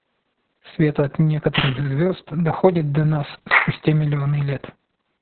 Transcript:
Свет от некоторых звезд доходит до нас спустя миллионы лет.